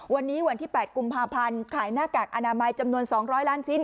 วันนี้วันที่๘กุมภาพันธ์ขายหน้ากากอนามัยจำนวน๒๐๐ล้านชิ้น